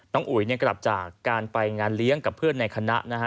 อุ๋ยกลับจากการไปงานเลี้ยงกับเพื่อนในคณะนะฮะ